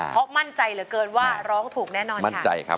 เพราะมั่นใจเหลือเกินว่าร้องถูกแน่นอนค่ะ